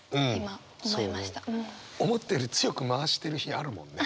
思ったより強く回してる日あるもんね。